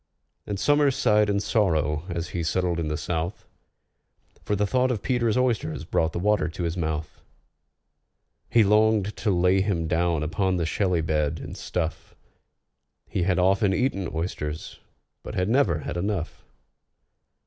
And SOMERS sighed in sorrow as he settled in the south, For the thought of PETER'S oysters brought the water to his mouth. He longed to lay him down upon the shelly bed, and stuff: He had often eaten oysters, but had never had enough.